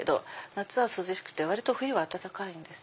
夏は涼しくて割と冬は暖かいんです。